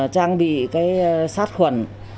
trang bị sát khuẩn